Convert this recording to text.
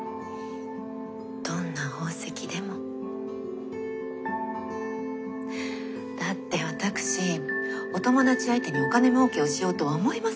だって私お友達相手にお金もうけをしようとは思いませんもの。